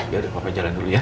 ya udah papa jalan dulu ya